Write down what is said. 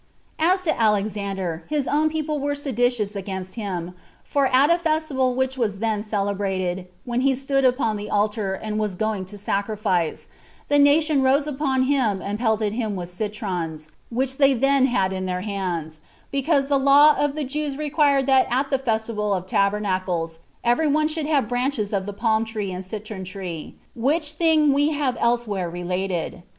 5. As to Alexander, his own people were seditious against him; for at a festival which was then celebrated, when he stood upon the altar, and was going to sacrifice, the nation rose upon him, and pelted him with citrons [which they then had in their hands, because] the law of the Jews required that at the feast of tabernacles every one should have branches of the palm tree and citron tree; which thing we have elsewhere related.